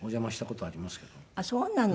あっそうなの。